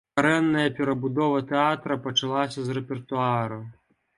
Карэнная перабудова тэатра пачалася з рэпертуару.